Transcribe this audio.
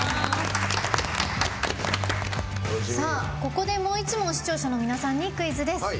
ここでもう一問視聴者の皆さんにクイズです。